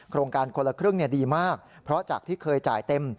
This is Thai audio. โครงการคนละครึ่งดีมากเพราะจากที่เคยจ่ายเต็ม